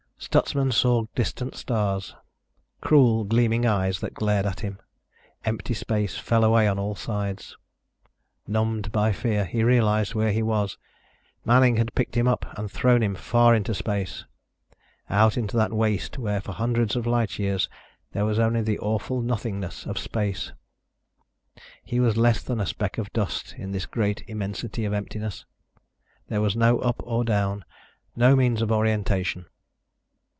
Stutsman saw distant stars, cruel, gleaming eyes that glared at him. Empty space fell away on all sides. Numbed by fear, he realized where he was. Manning had picked him up and thrown him far into space ... out into that waste where for hundreds of light years there was only the awful nothingness of space. He was less than a speck of dust, in this great immensity of emptiness. There was no up or down, no means of orientation.